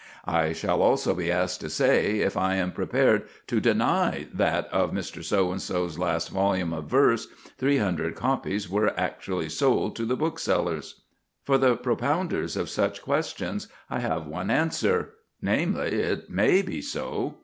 I shall also be asked to say if I am prepared to deny that of Mr. So and so's last volume of verse three hundred copies were actually sold to the booksellers. For the propounders of such questions I have one answer namely, it may be so.